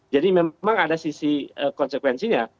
jadi memang ada sisi konsekuensinya